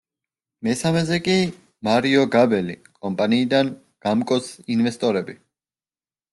მესამეზე კი – მარიო გაბელი კომპანიიდან „გამკოს ინვესტორები“.